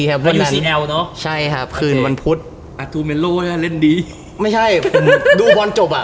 วันนั้นใช่ครับคืนวันพุธไม่ใช่ผมดูบอลจบอ่ะ